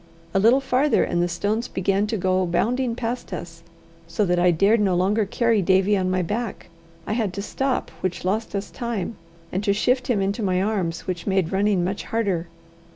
A little farther, and the stones began to go bounding past us, so that I dared no longer carry Davie on my back. I had to stop, which lost us time, and to shift him into my arms, which made running much harder.